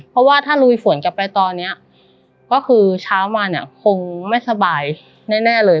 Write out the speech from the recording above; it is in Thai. เพราะว่าถ้าลุยฝนกลับไปตอนนี้ก็คือเช้ามาเนี่ยคงไม่สบายแน่เลย